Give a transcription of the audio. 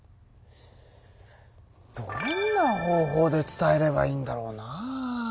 どんな方法で伝えればいいんだろうな？